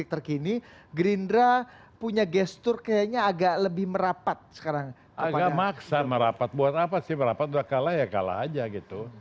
kenapa sih berapa sudah kalah ya kalah saja gitu